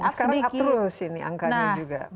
sekarang up terus ini angkanya juga